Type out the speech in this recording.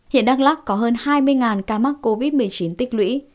hiện đắk lắc có hơn hai mươi ca mắc covid một mươi chín tích lũy